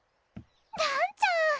らんちゃん